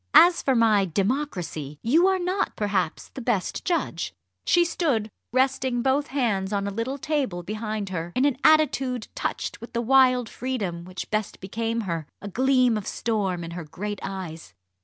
As for my 'democracy,' you are not perhaps the best judge." She stood resting both hands on a little table behind her, in an attitude touched with the wild freedom which best became her, a gleam of storm in her great eyes.